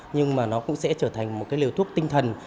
nhưng mà nó cũng sẽ trở thành một cái liều thuốc tinh thần